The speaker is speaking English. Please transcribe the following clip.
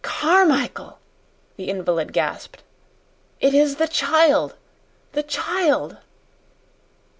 "Carmichael," the invalid gasped, "it is the child the child!"